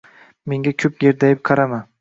Menga ko‘p gerdayib qarama.